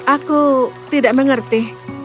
aku tidak mengerti